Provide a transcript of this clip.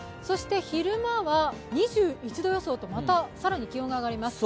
昼間は２１度予想とまた更に気温が上がります。